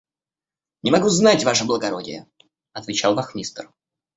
– Не могу знать, ваше благородие, – отвечал вахмистр.